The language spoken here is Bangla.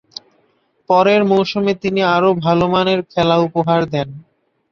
পরের মৌসুমে তিনি আরও ভালোমানের খেলা উপহার দেন।